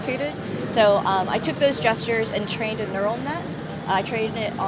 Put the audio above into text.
jadi saya mengambil gestur gestur tersebut dan mengajar neural net